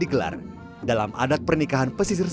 para pewarna medicin sengsi rendering keran langsung membosan